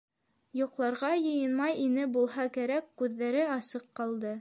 Йоҡларға йыйынмай ине булһа кәрәк, күҙҙәре асыҡ ҡалды.